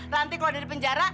nanti keluar dari penjara